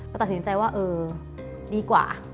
ก็ตัดสินใจว่าเออดีกว่า